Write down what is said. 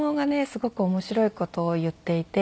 すごく面白い事を言っていて。